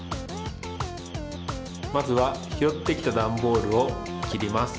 まずはひろってきたダンボールをきります。